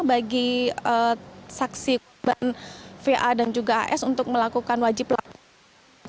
bagi saksi korban va dan juga as untuk melakukan wajib lapor